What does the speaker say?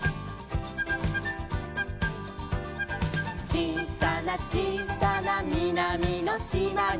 「ちいさなちいさなみなみのしまに」